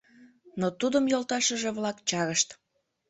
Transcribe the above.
Но тудым йолташыже-влак чарышт.